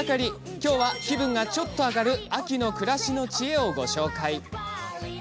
きょうは、気分がちょっと上がる秋の暮らしの知恵をご紹介。